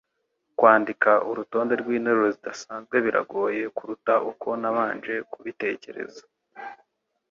Kwandika urutonde rwinteruro zidasanzwe biragoye kuruta uko nabanje kubitekereza.